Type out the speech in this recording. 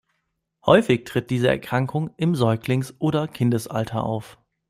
Häufig tritt diese Erkrankung im Säuglings- oder Kindesalter auf.